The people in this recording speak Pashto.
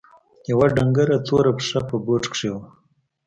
يوه ډنګره توره پښه په بوټ کښې وه.